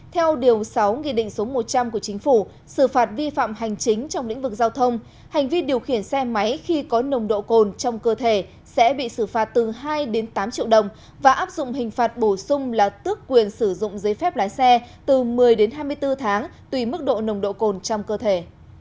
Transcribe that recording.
theo điều sáu nghị định số một trăm linh của chính phủ xử phạt vi phạm hành chính trong lĩnh vực giao thông hành vi điều khiển xe máy khi có nồng độ cồn trong cơ thể sẽ bị xử phạt từ hai đến tám triệu đồng và áp dụng hình phạt bổ sung là tước quyền sử dụng giấy phép lái xe từ một mươi đến hai mươi bốn tháng tùy mức độ nồng độ cồn trong cơ thể